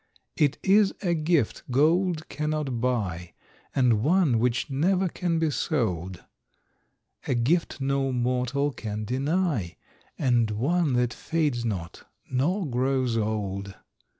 It is a gift gold cannot buy, And one which never can be sold; A gift no mortal can deny, And one that fades not, nor grows old.